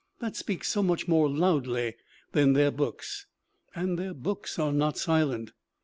That speaks so much more loudly than their books. And their books are not silent.